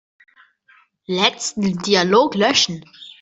Letzten Dialog löschen.